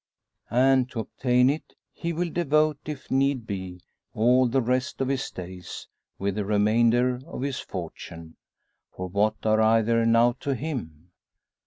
And to obtain it he will devote, if need be, all the rest of his days, with the remainder of his fortune. For what are either now to him?